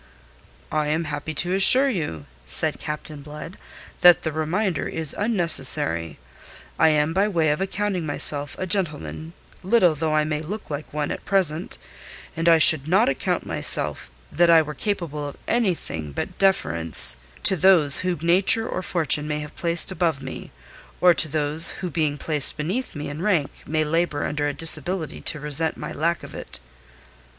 "I am happy to assure you," said Captain Blood, "that the reminder is unnecessary. I am by way of accounting myself a gentleman, little though I may look like one at present; and I should not account myself that were I capable of anything but deference to those whom nature or fortune may have placed above me, or to those who being placed beneath me in rank may labour under a disability to resent my lack of it."